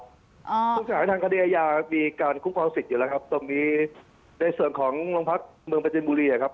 ผู้เสียหายทางคดีอาญามีการคุ้มครองสิทธิ์อยู่แล้วครับตรงนี้ในส่วนของโรงพักเมืองประจินบุรีอะครับ